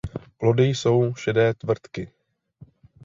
Plody jsou šedé tvrdky.